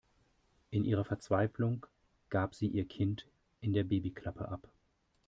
In ihrer Verzweiflung gab sie ihr Kind in der Babyklappe ab.